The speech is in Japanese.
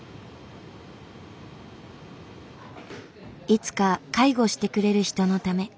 いつか介護してくれる人のため。